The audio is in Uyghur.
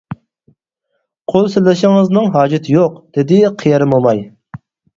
قول سېلىشىڭىزنىڭ ھاجىتى يوق، -دېدى قېرى موماي.